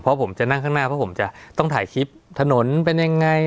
เพราะผมจะนั่งข้างหน้าเพราะผมจะต้องถ่ายคลิปถนนเป็นยังไง